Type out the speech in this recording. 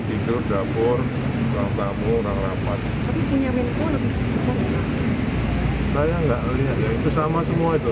itu lebih kecil daripada wudhiyacandra